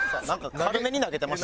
軽めに投げてましたね。